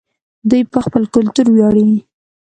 دوی په خپل کلتور ویاړي.